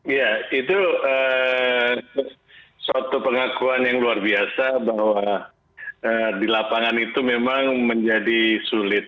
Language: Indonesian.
ya itu suatu pengakuan yang luar biasa bahwa di lapangan itu memang menjadi sulit